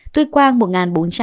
tuyết quang một bốn trăm hai mươi